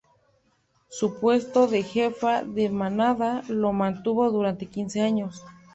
Su puesto de Jefa de Manada lo mantuvo durante quince años.